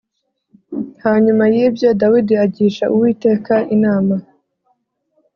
hanyuma y ibyo dawidi agisha uwiteka inama